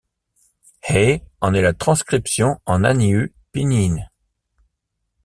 Hé en est la transcription en hanyu pinyin.